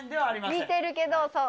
似てるけど、そう。